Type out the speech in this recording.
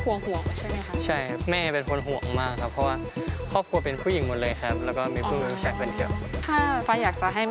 สาวโสดของเรานะครับ